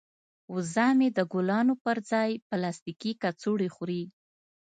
وزه مې د ګلانو پر ځای پلاستیکي کڅوړې خوري.